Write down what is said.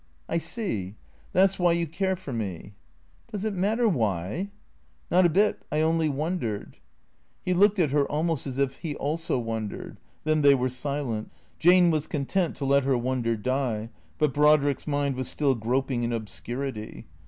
" I see. That 's why you care for me ?"" Does it matter why ?"" Not a bit. I only wondered." He looked at her almost as if he also wondered. Then they were silent. Jane was content to let her wonder die, but Brod rick's mind was still groping in obscurity.